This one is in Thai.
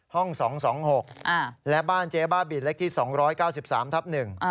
๒๒๖และบ้านเจ๊บ้าบินเล็กที่๒๙๓ทับ๑